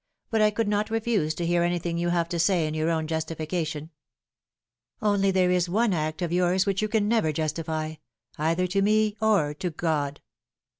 But I could not refuse to hear anything you have to say in your own justification. Only there is one act of yours which you can never justify either to me or to God."